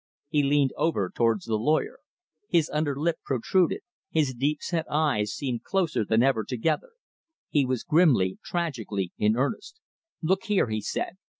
He leaned over towards the lawyer. His under lip protruded, his deep set eyes seemed closer than ever together. He was grimly, tragically in earnest. "Look here," he said.